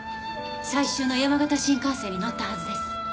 最終の山形新幹線に乗ったはずです。